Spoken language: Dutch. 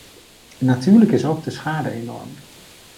Natuurlijk is ook de schade enorm.